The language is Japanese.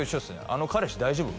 「あの彼氏大丈夫？」